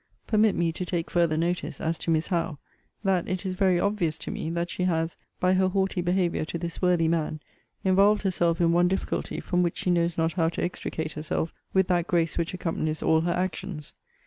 Permit me to take farther notice, as to Miss Howe, that it is very obvious to me, that she has, by her haughty behaviour to this worthy man, involved herself in one difficulty, from which she knows not how to extricate herself with that grace which accompanies all her actions.